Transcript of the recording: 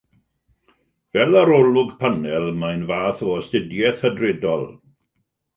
Fel arolwg panel mae'n fath o astudiaeth hydredol.